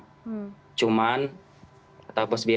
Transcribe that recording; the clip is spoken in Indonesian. kita mengatakan jangan panik mbak